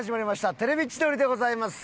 『テレビ千鳥』でございます！